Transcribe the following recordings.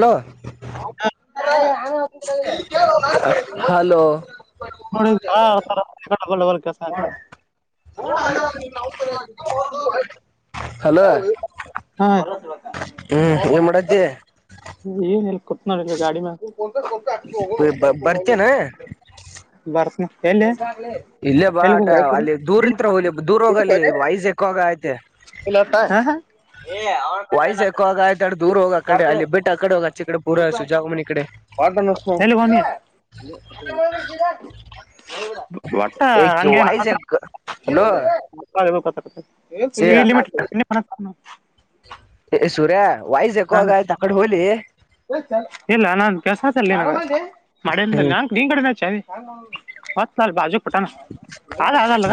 Hello. ಹಾನ. Hello ಲ್ಲ ಬರ್ಗೆ. ನೋಡ ಅಣ ಹ. ಹಲೋ ಹ್ಮ್ ಏನ್ ಮಾಡ್ದ. ಏನ್ ಎಲ್ಲಿ ಕುತ್ ನೋಡಿಲ್ಲ ಗಾಡಿ ಮ. ಬರ್ತೇನ [inaudible] ಬರ್ತ ಎ. ಇಲ್ಲೇ ಬಾಟ ಅಲ್ಲಿ ದೂರ್ತ್ತ್ರ ಹೋಗ್ಲಿ ದೂರ ಹೋಗಲ್ಲಿ ವಯಸ್ ಎಕ್ಕೋಗ ಐತೆ. ಇ ಏ ಅವ. ವಾಯ್ಸ್ ಎಕೋ ಆಗ ಆಯ್ತಾಡ್ ದೂರ ಹೋಗ ಆ [unintelligible] [unintelligible] ಕಡೆ ಅಲ್ಲಿ ಬಿಟ್ಟು ಆ ಕಡೆ ಹೋಗ ಆಚೆ ಕಡೆ ಪೂರ ಸುಜಾಗಮನಿ ಕಡೆ ಒಟ್ಟ ಏ ವಾಯ್ಸ್ ಹಂಗೇನ್ತ್ರ. ಎಕ್ ಹಲೋ ಏ [unintelligible] ಏ ಸೂರ್ಯ ವಾಯಸ್ ಹಾ ಎಕೋಾಗ ಹಾ ಆಯ್ತ ಆಕಡೆ ಹೋಲಿ. ಇಲ್ಲ ನಾನ್ ಕೆಲ್ಸಲ್ಲಿನ. ಮಡೆಯಿಂದ ಹ್ಮ್ ನಂ ನಿನ್ ಕಡೆಚೀ ಹೊತ್ತ ಬಾಜು ಪುಟಾನ.. ಹದಾ ಹ ಅಲ್ಲ ಬಟ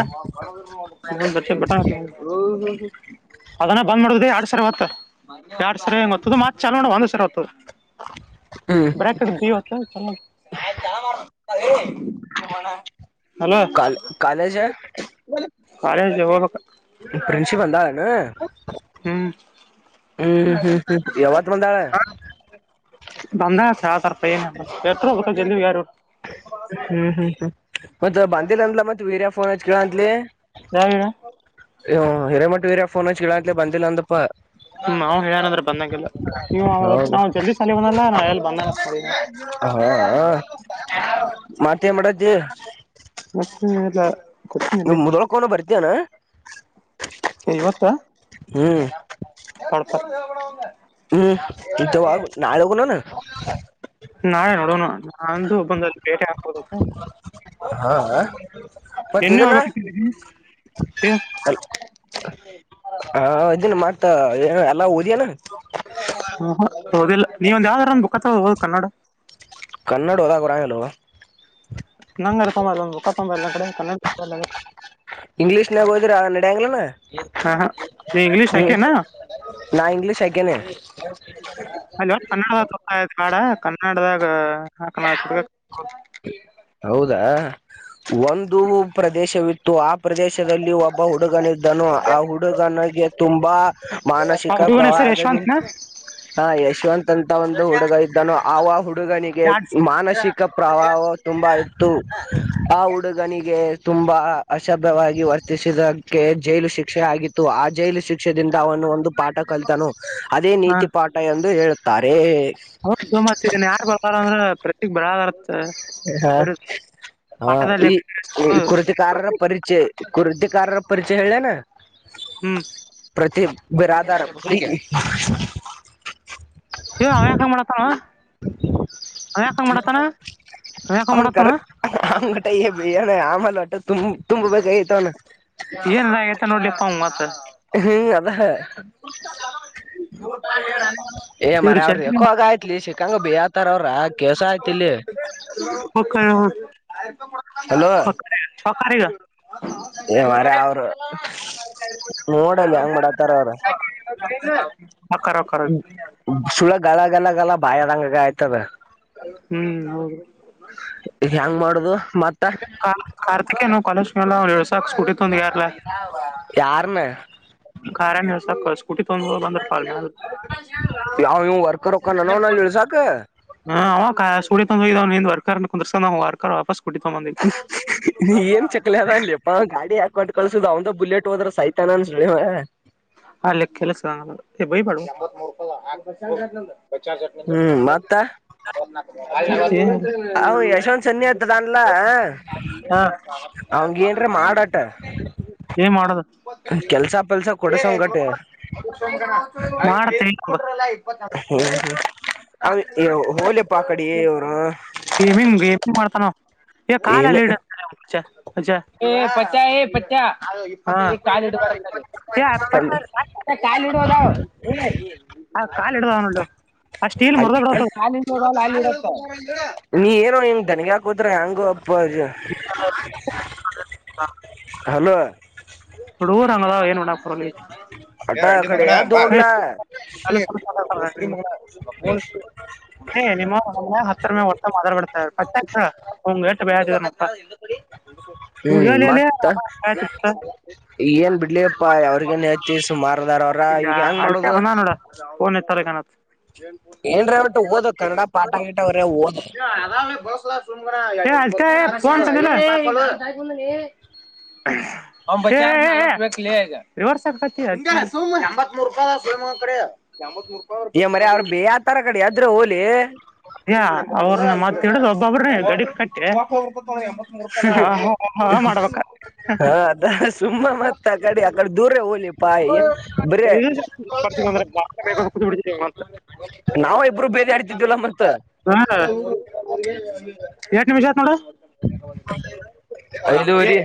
ಅದನ್ನ ಬ್ ಮಾಡಡುದ ಎರಡ್ ಸಾವರ ಹೊತ್ತ ಎರಡ್ ಸಾವರ ಹೆ ಗತ್ತತದ ಮತ್ ಚಲ ನೋಡ ಒಂದ್ ಸಾವರ ಹೊತ್ತದೆ.. ಹ್ಮ್ ಬ್ರೆಡ್ ದತ ಚ. ಕಾಲ ಕಾಲೇಜ [unintelligible] ಕಾಲೇಜ್ ಹೋಗಬೇಕ ಪ್ರಿನ್ಸಿ ಬಂದಳ ಏನ ಬಂದಾಳ ಹ ಬಂದಳ ಆ ತರ್ಪ್ಪ ಏನ ಎ ಜಲ [unintelligible] ಹ್ಮ್ ಹ್ಮ್ ಹ್ಮ್ ಮತ್ತ ಬಂದಿಲ್ಲ ಅಂದಲ ಮತ್ತ ವೀರ ಫೋನ್ ಹಚ್ ಕಳತ್ಲಿ ಯಾವ ಹಿರೇಮಟ್ಟ ವೀರ ಫೋನ್ ಹಚ್ ಕಿಳಂತ್ಲಿ ಬಂದಿಲ್ಲ ಒಂದಪ್ಪ ಹ್ಮ್ ಅವ ಹೇಳಏನಂದ್ರ ಬಂದಂಗಲ್ಲ ನೀ ಹೌದು ನಾವು ಜಲ್ದಿ ಸಲಂದಲ್ಲ ನಾವ ಎ ಬಂದ ಹಾ ಮತ್ತೇನ್ ಮಾಡತ್ತಿ ಮತ್ತೆ ಇಲ್ಲ ಕೊಡ್ತೀನಿ ನೀ ಇಲ್ಲಿ ಮುದಳ್ಕೊಂಡ ಬರ್ತೀಯಾನ ಇವತ್ತ ಸ್ಪ ಹ್ಮ್ ಇಂತವ [unintelligible] ನಾಳೆ ಹೋಗುಣನ ನಾಳೆ ನೋಡೋಣ.. ಅಂದು ಬಂದಲ್ಲಿ ಬೇಟೆ ಆಗ್ಬೋದು. ಹಾ ಮತ್ತ ನಿನ್ನೆ ಇದನ. ಹೋಗ್ಬೇಕಿತ್ತು ಹಾ ಇದನ್ ಮಾಡ್ತ ಏ ಎಲ್ಲ ಓದಿಯ. ಹ್ಮ ಹ ಓದಿಲ್ಲ ನೀವ ಒಂದ ಯಾವ್ದಾರಂದ ಬುಖತೋ ಹೋದ ಕನ್ನಡ ಕನ್ನಡ ಓದಾಕ ಬರಂಗಿಲ್ಲೋ ನಂಗಾರ ತೊಂಬರಲ್ಲಾ ಒಂದು ಬುಖ ತೊಂಬ ಇಲ್ಲ ಕಡೆ ಇಂಗ್ಲೀಷ್ನಾಗ ಹೋದ್ರ ನಡ್ಯಂಗ್ಲನಾ ಹಾ ಹಾ ನೀ ಇಂಗ್ಲೀಷ್ ಹ್ಮ ಹಾಕೇನಾ ನಾ ಇಂಗ್ಲೀಷ್ ಆಕಿನಿ ಕಾಡ ಕನ್ನಡದಾಗ ಹ ಹೌದಾ ಒಂದು ಪ್ರದೇಶವಿತ್ತು ಆ ಪ್ರದೇಶದಲ್ಲಿ ಒಬ್ಬ ಹುಡುಗನ ಇದ್ದನು ಆ ಹುಡುಗನಿಗೆ ತುಂಬಾ ಮಾನಸಿಕ ಪ್ರವಾಹ ಯಶವಂತನ ಹ ಯಶವಂತ್ ಅಂತ ಒಂದು ಹುಡುಗ ಇದ್ದಾನೋ ಆ ಹುಡುಗನಿಗೆ ಯಾಡ್ ಮಾನಸಿಕ ಪ್ರವಾವ ತುಂಬ ಇತ್ತು ಆ ಹುಡುಗನಿಗೆ ತುಂಬಾ ಅಶಭ್ಯವಾಗಿ ವರ್ತ ಇದಕ್ಕೆ ಜೈಲು ಶಿಕ್ಷೆ ಆಗಿತ್ತು ಆ ಜೈಲು ಶಿಕ್ಷೆಯಿಂದ ಅವನು ಒಂದು ಪಾಠ ಕಲಿತನು ಅದೇ ಹಾ ನೀತಿ ಪಾಠ ಎಂದು ಎಂದು ಹೇಳ್ತುರೆ ಬರರ ಅಂದ್ರೆ ಪ್ರತಿಗ್ ಬರದರ್ತ್ [unintelligible] ಹ ಈ ಈ ಕೃತಿಕಾರರ ಪ್ರತೀಕ್. ಪರಿಚಯ ಕೃತಿಕಾರರ ಪರಿಚಯ ಹೇಳನಾ ಹ್ಮ್ ಪ್ರತಿಕ ಬಿರಧಾರ ಅವ್ಯಾಕಂಗ ಮಾಡತಾನ ಅವ್ಯಾಕಂಗ ಮಾಡತಾನ ಅವ ಯಾಕ ಅವ್ನ್ ಕರ ಮಾಡತಾನ ಅವನ್ ಗಟ ಬನ ಆಮೇಲೆ ಒಟ್ಟ ತುಂಬ ತುಂಬ ಬೇಕಾಗಿತ ಅವ್ನು ಏನ್ ಆಗೈತ ನೋಡ್ಲಿಪ್ಪ ಅವ್ ಮತ್ತ ಹ್ಮ್ ಅದ ಮರ ಇವ್ರು ಅವರು ಜಲ್ದಿ ರಖೋಗಾಯ್ತ ಲಿ ಸಿಕಾಂಗ ಬೈತರ ಅವ್ರ ಕೆಲ್ಸ ಆಯ್ತಿಲ್ಲಿ ಮಕ್ಕಳ ಹಲೋ ಸಕಾರಿಗ [unintelligible] ನೋಡಲ್ಲಿ ಹೆಂಗ್ ಮಾಡತರ ಅವರ ಹೊಕ್ಕಾರ ಹೊಕ್ಕಾರ ಸುಳ ಗಲಲ್ಲ ಬಾಯದಂಗ ಆಯ್ತದೆ ಹ್ಮ್ ಹೌದು ಹಿಗಯಾಂಗ ಮಾಡುದು ಮತ್ತ ಕಾರ್ತಿಕ ನಾವು ಕಾಲೇಜ್ ಕಲ್ಲ ಒ ಎಡುಸ ಸ್ಕೂಟಿ ತುಂದ ಯಾರಲ್ಲ ಯಾರನ ಖನ್ ಸಾಕ ಸ್ಕೂಟಿ ತೊಗಂಡ ಬಂದ ಯಾವ ಇವ್ ವರ್ಕರ್ ಹೊಕ್ಕಾನ ನವ್ನ [unintelligible] ಇಳ್ಸಾಕ ಹಾ ಅವ ಸು ವರ್ಂದಾ ವಾರ್ರ್ ವಾಸ್ [unintelligible] ನೀ ಏನ್ ಚಕ್ಲಿ ಅದ ಅನ್ಲಿಪ್ಪ ಗಾಡಿ ಹಾಕೊಂಡು ಕಳಸುದುದು ಅವಂದ ಬುಲೆಟ್ ಹೋದ್ರ ಸೈತ ಸ [unintelligible] ಹಾ ಲೆಲ್ಲ ಸ ಬ ಪಡ [unintelligible] ಹ್ಮ್ ಮತ್ತ ಅವ ಯಶವಂತ್ ಸನ್ನಿ ಆತದನ್ಲ ಹ ಅವಂಗ ಏನ್ರ ಮಾಡಾಟ ಏನ್ ಮಾಡದು ಕೆಲ್ಸಾಫಲ್ಸ ಕೊ ಏಣ ಇಪ್ಪ ಹ ಹೋಳ ಪಾಕಡಿ ಇವರು ಏಮನ್ ಏಮನ್ ಮಾಡ್ತಾನಾವ ಎ ಕಾಲ ಏನ ಲೀಡ ಪ ಪ ಹ ಕಾಲ ಇ ಕಾಲ ಇಡಾವ ಆ ಕಾಲ ಇಡುವನೋಡು ಅಷ್ಟೀಲ್ ಮುರದದು ಅ ಹೆಂಗ ಅಪ್ಪಾಜಿ ಹಲೋ ಇ ಊರಾಂಗದಾವ ಏನುಣ್ಣ ಪರಳ ಮ ಅಟ ಆ ಕಡೆ ಅದ್ ಹೋಗ್ಲಾ [unintelligible] ಅ [unintelligible] ನಿಮ್ಮ ಹತ್ತರ ಮೆ ಒಟ್ಟ ಮಾತಾರ್ಡ್ತ ಪಕ್ಕಂಗಷ್ಟ ಬ ನಿಲ್ಲಿಲ್ಲ ಈ ಏನ್ ಬಿಡ್ಲಿಪ್ಪಾ ಅವ್ರಗೇನ್ ಅತಿ ಸುಮಾರದಾರ ಅವ್ರ ಈಗ ಹೆಂಗ್ ಮಾಡದು ಕನ್ ಯತಾರೆೇ ಕಾನ ಒಟ್ಟು ಓದು ಕನ್ನಡ ಪಾಠ ಗಿಟ ಅವ್ರೆ ಓದು ಆರಾಮ ಬಸಲ ಆಕ [inaudible] [unintelligible] ಹ ರಿವರ್ಸ್ ಆಗ್ತ ಎತ್ರು ರೂ ಕಡೆತ್ ಮರ ಅವ್ರ ಬೇ ಆ ತರ ಕಡೆ ಅದ್ರೆ ಹೋಲಿ ಅ್ಯ ಅವ್ರನ್ನ ಮತ್ತ ಇಡುದ್ ಒಬ್ಬೊಬ್ರನೆೇ ಗಡಿ ಕಟ್ಟೆ ಹಾ ಮಾಡ್ಬೇಕ ಹಾ ಅದ ಸುಮ್ಮ ಮತ್ತ ಆ ಕಡೆ ಆ ಕಡೆ ದೂರ ಹೋಗಲಿ ಪಾಯ ಬ್ರೇ ್ರೆ ಬಿಡಿದ್ರ ನಾವವು ಇಬ್ಬರು ಬೇದಿ ಆಡ್ತಿದಿಲ್ಲ ಮತ್ತೆ ಹ ಎಟ ನಿಮಿಷ ಆತ್ ಐದುವರಿ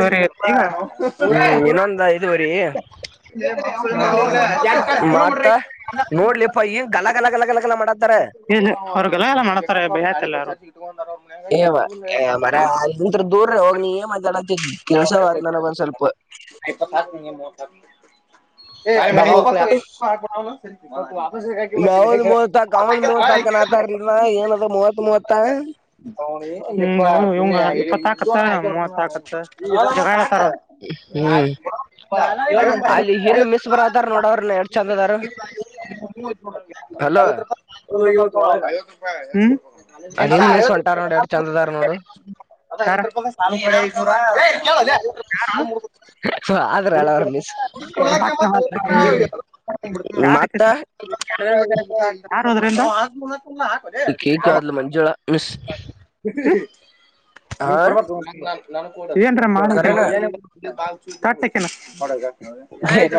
ನೋಡ ಹಾ ಹಾ ರೀ ಹಾ [inaudible] ನೋಡ್ಲಿಪಾ ಏನ್ ಗಲ ಗಲ ಗಲ ಗಲ ಗಲ ಮಾಡತ್ತಾರ ಏನ್ ಅವ್ರು ಗಲ ಎಲ್ಲ ಮಾಡ್ತಾರೆ ಭಯ ಆಯತಲ್ಲರು ಹ ಏವ ಮರಂತ್ ದೂರ ಹೋಗ ನೀ ಏ ಮಾತಾಡತಿ ಕೆಲ್ಸವತ್ ನನ ಬ ಒಂದ ಸ್ವಲ್ಪ ಪ್ಪ ಾಕ್ ನೀ ಮ ಾಕ ಬಗಾವ್ ವಾಪಸ್ಗಾಕಿಮ್ಮತ್ತ ನಾವೊಂದ್ ಇದೆ ಮೂವತ್ತಾಕ್ ಅವಂದ್ ಮೂವತ್ಕನ ಆತಾರ ಏನದ ಮೂವತ್ ಮೂವತ್ತ ಹ ಇಪ್ಪತ್ತಾಕತ್ತ ಮೂವತ್ಾಕತ್ತ ಜ ಹ್ಮ್ ಅಲ್ಲಿ ಹಿಂದ್ ಮಿಸ್ ಬರತಾರ ನೋಡ ಅವ್ರನ್ನ ಎಷ್ಟ್ ಚಂದ ಅದಾರ [unintelligible] [inaudible] [unintelligible] ಹಲೋ ಐವತ್ತು ರೂಪಾಯ ಐವತ್ತು ರೂಪಾಯಿ ಅಲ್ಲಿೇನ್ ಮೇಸ್ ಹೊಂಟಾರ ನೋಡು ಎರಡು ಚಂದದಾರ ನೋಡು ಅದಐ [unintelligible] ಆದ್ರ ಹೇಳ ಅವ್ರ ಮಿಸ್ ಯಾಕ ಮತ್ತ ಯ್ರ ಕೇಕ್ ಆದ್ಲು ಮಂಜುಳ ಮಿಸ್ [inaudible] ಕ ಹ ಏನ್ ಮಾಡ ಕರೆನ ಕೆ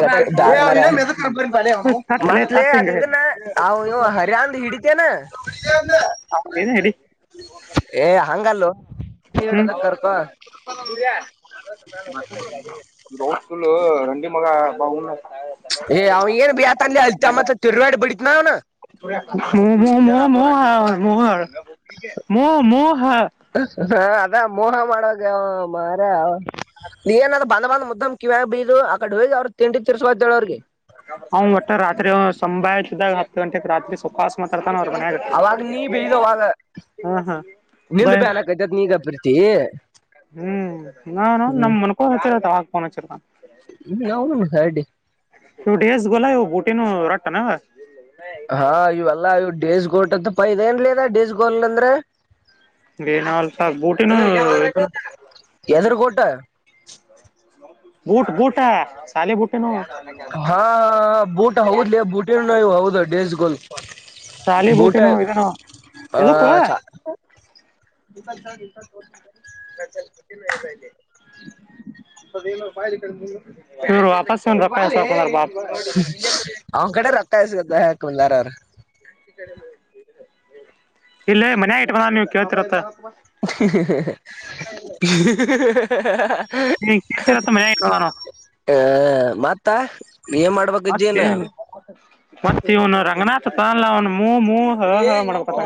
ಕಟ್ ಬ್ಯಾಡ್ ಮಾರಾಯ ತ [unintelligible] [inaudible] ಅ ಇ ಹರಿ ಅಂದ ಹಿಡಿತೇನೆ ಏನೇ ಹಿಡಿ ಏ ಹಂಗಲ್ಲ [unintelligible] ರಂಡೀ ಮಗ ಬಾ ಏ್ ಅವ ಏನ್ ಯತಂಗ ಅಲ್ತಮ್ಮತ್ ತಿರ್ಾ ಬಿಡತ್ ನ ಅವ್ನ ಮ ಮ ಹಾ ಮ ಹಾ ಮ ಮ ಹಾ ಅಲ್ಲ ಮೋಹ ಮಾಡಾಗ ಮಾರ ನೀಏನ ಬಂದ ಬಂದ ಮುದ್ದಮ್ ಕಿವ ಬೀರು ಅ ಕಡೆ ಹೋಗ ಅವ್ರ ತಿಂಡಿ ತಿರ್ಸ್ಕೊತೇಳ ಅವ್ರಿಗೆ ಹ ಮಟ್ಟ ರತ್ರಿ ಸಂಭಾಯ ಹ ಗಂಟೆೆಗೆ ರರಿ ಸೊಪಾಸ ಮಾತ್ರ ಹನವಾರ ಮನೆ ಆಗುತ್ತೆ ಅವಾಗ ನೀ ಬೀದವಾಗ ಹಾ ಹಾ ನಿಂದ ಬೈ ಬ ಅಾನಕೈತತ್ ನೀಗ ಪ್ರರ್ತಿ ಹ್ಮ್ ನಾ ನಮ್ ಮುನ್ಕೊಂಡ ಹಚ್ಚಿರತ ಆಾಕೋನ ಅವನುನುಡ್ಡಿ ೇಸ್ ಗೊಲ ಬುಟ್ಟಿ ನ ರಟ್ಟತ ಹ ಹಾ ಇವೆಲ್ಲಾ ಇವ ಡೇಸ್ ಗೋಟ್ ಅಂತ ಪೈ ಇದೆ ಏನ್ಲದ ಡೇಸ್ ಗೋನ್ಲ್ ಅಂದ್ರೆ ಬೇ ನ ಅಲ್ಫ ಬೂಟಿ ನ ಎದ್ರ ಗೋಟ ಬೂಟ್ ಬೂಟ ಶಾಲೆ ಬೂಟೆನು ಹಾ ಹ ಬೂಟ್ ಹೌದ್ಲಿ ಬೂಟಿವು ಹೌದು ಡ್ರೇಸ್ ಗಲ್ ಶಾಲಿ ಬೂಟಿನೋ ಇದನೋ ಆ ಎದಕ್ಕ ತ ಚ ಅದ ಬಾಯ ಕಡೆ ಹರು ಅಪ ರಪ್ಪಪಾರ ಬಾಪ ಅವನ್ ಕಡೆ ರೊಕ್ಕ ಇಸ್ಗದ ಹಾಕಂದಾರ ಅವ್ರ ಇಲ್ಲೇ ಮನ ಆಯಟ್ ಬಂದ ನೀವ್ ಕೇಳ್ತಿರತ್ತ ಹ ಹ ನೀತರತ್ತ ಮಾನ ಹ ಮತ್ತ ಏನ್ ಮತ್ತ ಮಾಡ್ಬೇಕಜ್ಜಿನ ಮತ್ತೆ ಇವನು ರಂಗನಾಥ ತ ಅಲ್ಲ ಅವನ್ ಮೂ ಹ ಹ ಮ ಕ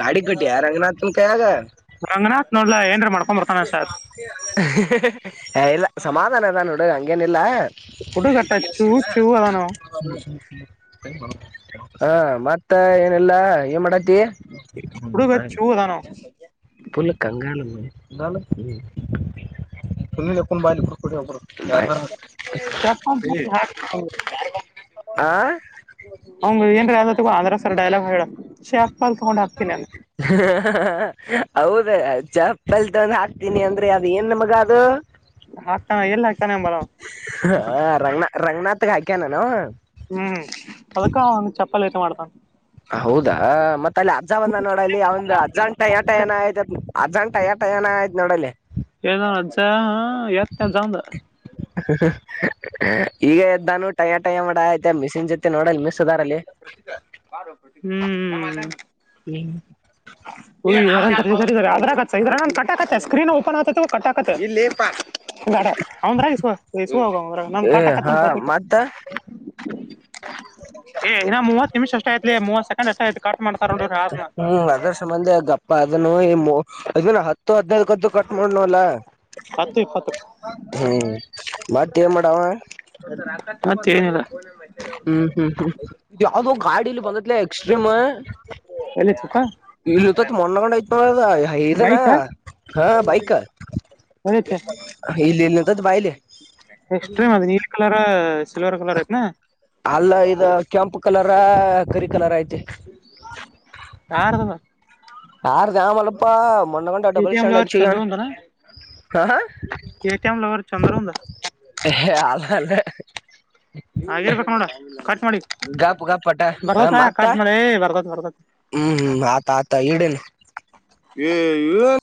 ಗಾಡಿ ಕಟ್ಟಿ ಯಾರಂಗನಾಥನ್ ಕೈಯಾಗ ನಂಗ್ರ ಎಂ್ರ ಮಾಡ ಹ ಇಲ್ಲ ಸಮಾಧಾನ ಅದಾ ನೋಡ ಹಂಗೇನಿಲ್ಲ ಫುಡು ಕಟ್ಟೆ ಚೂ ಚೂ ಅದಾನೋ ಹಾ ಮತ್ತ ಏನೆಲ್ಲ ನೀ ಮಾಡಡಾಟ ಹುಡುಗ ಚೂ ಅದಾನು ಪುಲ್ ಕಂಗಾಲಮ್ಮ ಬಳ ತಿಲ್ಲಕ್ಕ ಬ ಕೊಡರ ಚಪ್ಪ ಹಾಕ್ಬಿಟ್ಟು ಆ ಹಂಗ ಏನ್ರ ಅ ತಗ ಅಂದ್ರ ಸರ್ ಡೈಲಾಗ್ ಹೇಳ ಶೇಪ್ಪ ಅಲ್ ತೊಗೊಂಡ ಹಕ್ತೀನಿ ನಾನ ಹೌದ ಚಪ್ಪಲ್ ತಂದ ಹಾಕ್ತೀನಿ ಅಂದ್ರರಿ ಅದ ಏನ್ಮಗ ಅದು ಹಾಕ್ತಾನ ಎಲ್ಲಿ ಹಾಕ್ತಾನೆ ಅಂಬಲ ಅವ. ಹಾ ರಂಗನಾ ರಂಗನಾಥ ಹಕನ ನ ಹ್ಮ್ ಅದಕ್ಕ ಒಂದು ಚಪ್ಪಲ್ ಐತ ಮಾಡ್ತಾನ ಹೌದಾ ಮತ್ತ ಅಲ್ಲಿ ಅಜ್ಜ ಬಂದ ನೋಡಲ್ಲಿ ಅವಂದು್ ಅಜ್ಜಂಟ ಆಏಟ ಏನ ಆಯ್ತ ಅಜ್ಾಂ ಟಯಾ ಟಯಣ ಆಯ್ ನೋಡಲ್ಲಿ ಏನ ಅಜ ಎತ್ತನ ಚಂದ ಈಗ ಎದ್ದಾನು ಟಯಾ ಟಯ ಮಾಡ ಆಯತೆ ಮಿಸ್ಸಿನ ಜೊತೆ ನೋಡಲ್ ಮಿಸ್ ಅದಾರಲ್ಲಿ ಹ್ಮ್ ಮನೆ ಹ್ಮರಿ ಸದ್ರ ಇದ ನ ಕ ಸ್ಕ್ರೀನ್ ಓಪನ್ ಆಗ್ತ ಕ ್ರಾಗೋಗ್ರಾಗ ನ ಏ ಹಾ ಕಾಟಕತ್ತ [unintelligible] ಏ್ ಮೂತ್ ನಿಮಿಷ ಅಷ್ಟ ಆಯತ್ಲಿ ಮೂವತ್ ಸೆಕಂಡ್ ಅಷ್ಟ ಆಯತ ಹ್ಮ್ ಅದರ್ಸು ಮಂದಿ ಗಪ್ಪ ಅದನ್ನು ಈ ಅನ ಹತ್ತು ಹದ್ನೈದಕದ್ದು ಕಟ್ ಮಾಡನವಲ್ಲ ಹತ್ತು ಇಪ್ಪತ್ತು ಹ್ಮ್ ಬತಿಯ ಮಾಡಾವ ಮತ್ತೇನಿಲ್ಲ ಹ್ಮ್ ಹ್ಮ್ ಹ್ಮ್ ಯಾವ್ದೋ ಗಾಡಿಲ್ಲಿ ಬಂದತ್ಲ ಎಕ್ಸ್ಟ್ರೀಮ್ ಎಲ್ಲಿತ್ತಪ್ಪ ಇತ ಮೊ್ಣ ಕಂಡ ಐ ಇನಾ ಬೈಕಾ ಹಾ ಬೈಕ್ ಇಲ್ಲಿ ಇಲ್ಲಿಂತದ ಬಾಯಲೆ ಎಷ್ಟಟ್ರೇ್ ಅದ ನೀಲ್ ಕಲರ ಅಲ್ಲ ಇದ ಕೆಂಪು ಕಲರ ಕರಿ ಕಲರ್ ಆಯ್ತು ಯಾರದಪ್ಪ ಯಾರ ಜಾಮಲ್ಲಪ್ಪಾ ಮೊ್ಣಗೊಂಡ double KTM lover stand Chandru ಅಂದನ ಹ ಕೆಟಿಎಂ ಲವರ್ ಚಂದ್ರು ಅಂದ ಹ ಅ ಅ ಹಾಗಿರ್ಬೇಕು ನೋಡ ಕಟ್ ಮಾಡಿ ಗಪ್ ಗಪ್ ಪಟ ಬರ್ದತ್ತ ಕಟ್ ಮಾಡಿಯ ಬರ್ದತ್ ಬರ್ದತ್ ಹ್ಮ್ ಹ್ಮ್ ಆತ ಆತಾ ಇಡೇನೆ ಏ